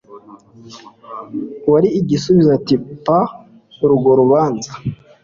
wari igisubizo; ati pa urwo rubanza